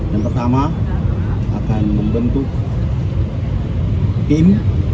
yang pertama akan membentuk tim